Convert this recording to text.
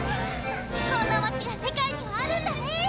こんな街が世界にはあるんだね！